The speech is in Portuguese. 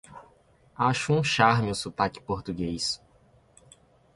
Acho um charme o sotaque português!